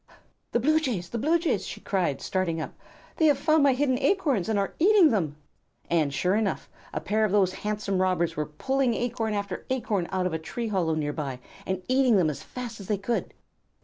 "The Blue Jays! The Blue Jays!" she cried, starting up. "They have found my hidden acorns and are eating them." And sure enough, a pair of those handsome robbers were pulling acorn after acorn out of a tree hollow near by, and eating them as fast as they could.